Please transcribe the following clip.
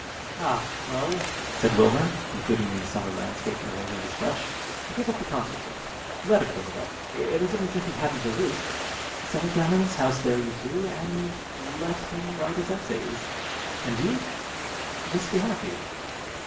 "Ah, well," said Winner, including the summer landscape in a wave of his brush, "give up the consulship. Let him give it up. It isn't as if he hadn't a roof. Settle down in his house there, you two, and let him write his essays, and you just be happy."